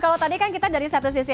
kalau tadi kan kita dari satu sisi